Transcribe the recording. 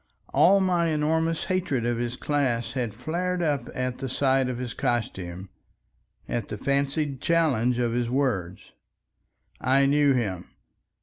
All my enormous hatred of his class had flared up at the sight of his costume, at the fancied challenge of his words. I knew him.